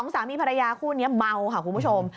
สามีภรรยาคู่นี้เมาค่ะคุณผู้ชม